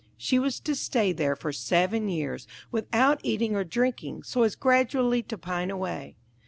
She was to stay there for seven years, without eating or drinking, so as gradually to pine away.